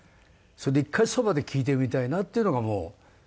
それで一回そばで聴いてみたいなっていうのが。